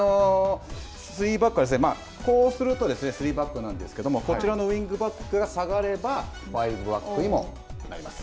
スリーバックはですね、こうするとですね、スリーバックなんですけれども、こちらのウイングバックが下がれば、ファイブバックにもなります。